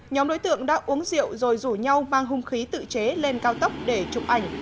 nhóm đối tượng đã uống rượu rồi rủ nhau mang hung khí tự chế lên cao tốc để chụp ảnh